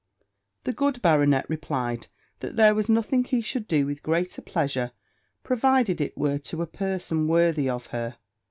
The good baronet replied, that there was nothing he should do with greater pleasure, provided it were to a person worthy of her.